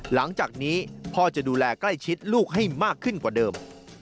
หลังจากนี้พ่อจะดูแลใกล้ชิดลูกให้มากขึ้นกว่าเดิม